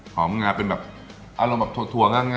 งาเป็นแบบอารมณ์แบบถั่วง่าย